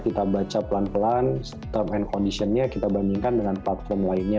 kita baca pelan pelan term and conditionnya kita bandingkan dengan platform lainnya